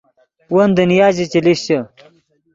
ون دنیا ژے چے لیشچے